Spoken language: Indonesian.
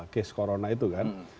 case corona itu kan